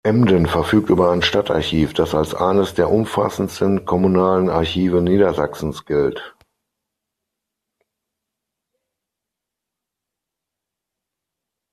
Emden verfügt über ein Stadtarchiv, das als eines der umfassendsten kommunalen Archive Niedersachsens gilt.